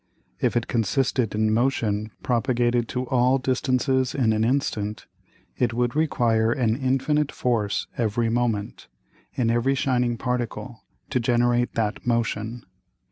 If it consisted in Motion propagated to all distances in an instant, it would require an infinite force every moment, in every shining Particle, to generate that Motion.